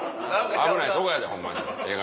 危ないとこやでホンマにええ